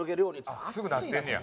あっすぐなってんねや。